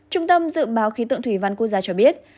trung tâm dự báo khí tượng thủy văn quốc gia cho biết